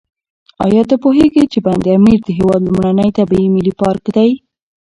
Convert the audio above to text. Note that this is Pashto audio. ایا ته پوهېږې چې بند امیر د هېواد لومړنی طبیعي ملي پارک دی؟